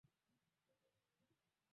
Ndugu yangu anaogopa sana